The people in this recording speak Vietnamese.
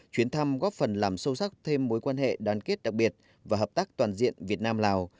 chuyến thăm góp phần làm sâu sắc thêm mối quan hệ đoàn kết đặc biệt và hợp tác toàn diện việt nam lào